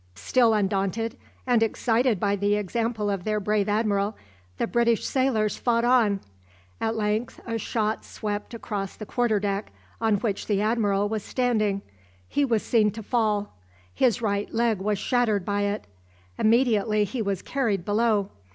Still undaunted, and excited by the example of their brave admiral, the British sailors fought on. At length a shot swept across the quarter deck, on which the admiral was standing. He was seen to fall. His right leg was shattered by it. Immediately he was carried below.